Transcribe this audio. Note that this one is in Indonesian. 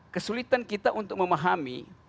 kesulitan kita untuk memahami